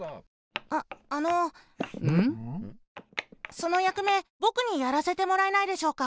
そのやくめぼくにやらせてもらえないでしょうか？